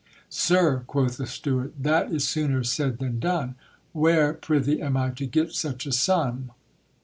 ' Sirj quoth the steward,' that is sooner said than done. Where, prythee, am I to get such a sum?